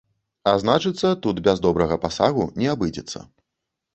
А значыцца, тут без добрага пасагу не абыдзецца.